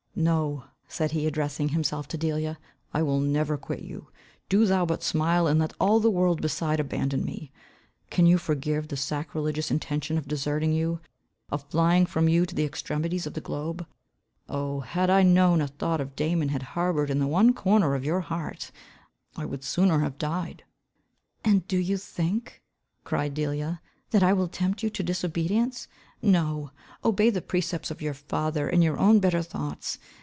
No," said he, addressing himself to Delia, "I will never quit you. Do thou but smile, and let all the world beside abandon me. Can you forgive the sacrilegious intention of deserting you, of flying from you to the extremities of the globe? Oh, had I known a thought of Damon had harboured in one corner of your heart, I would sooner have died." "And do you think," cried Delia, "that I will tempt you to disobedience? No. Obey the precepts of your father and your own better thoughts.